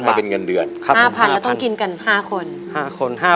๕๐๐๐บาทแล้วต้องกินกัน๕คน